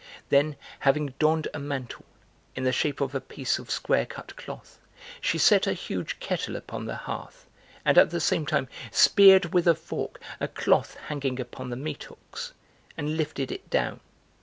Then, having donned a mantle, in the shape of a piece of square cut cloth, she set a huge kettle upon the hearth and at the same time speared with a fork a cloth hanging upon the meathooks, and lifted it down.